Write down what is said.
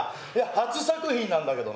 初作品なんだけどな。